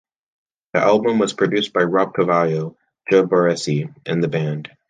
The album was produced by Rob Cavallo, Joe Barresi, and the band.